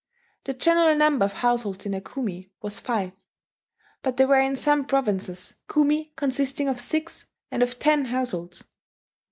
The general number of households in a Kumi was five; but there were in some provinces Kumi consisting of six, and of ten, households.